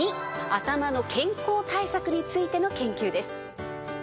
頭の健康対策についての研究です。